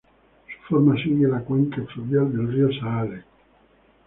Su forma sigue la cuenca fluvial del río Saale.